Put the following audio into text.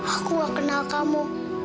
aku gak kenal kamu